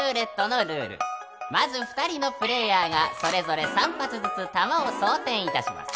［まず２人のプレーヤーがそれぞれ３発ずつ弾を装てんいたします］